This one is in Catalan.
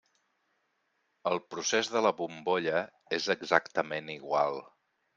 El procés de la bombolla és exactament igual.